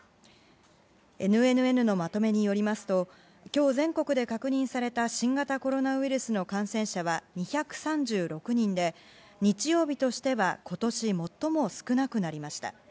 ＮＮＮのまとめによりますと今日全国で確認された新型コロナウイルスの感染者は２３６人で日曜日としては今年最も少なくなりました。